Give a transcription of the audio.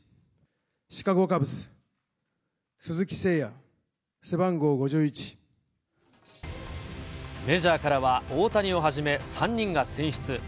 シカゴカブス、メジャーからは、大谷をはじめ、３人が選出。